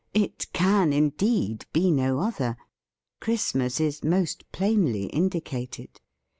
It can, indeed, be no other. Christmas is most plainly indicated.